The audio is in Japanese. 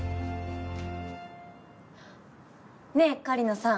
ねえ狩野さん。